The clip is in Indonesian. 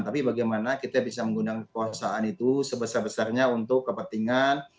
tapi bagaimana kita bisa menggunakan kekuasaan itu sebesar besarnya untuk kepentingan